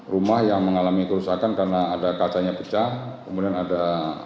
rumah yang mengalami kerusakan karena ada kacanya pecah kemudian ada